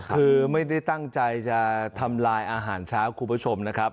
คือไม่ได้ตั้งใจทำลายทางแบบอาหารเช้าครูประชมนะครับ